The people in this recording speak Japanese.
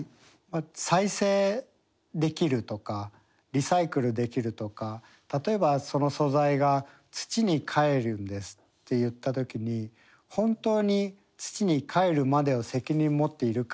再生できるとかリサイクルできるとか例えばその素材が土に返るんですっていった時に本当に土に返るまでを責任持っているかみたいな問題もありますよね。